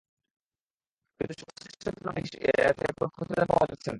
কিন্তু সংশ্লিষ্ট থানা কিংবা পুলিশ থেকে কোনো প্রতিবেদন পাওয়া যাচ্ছে না।